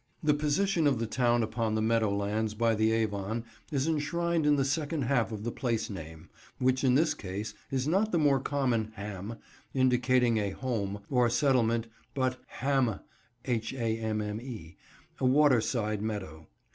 The position of the town upon the meadow lands by the Avon is enshrined in the second half of the place name, which in this case is not the more common "ham," indicating a "home," or settlement, but "hamme," a waterside meadow.